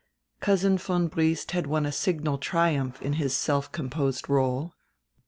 Cousin von Briest had won a signal triumph in his self composed role.